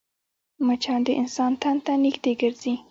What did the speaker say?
مچان د انسان تن ته نږدې ګرځي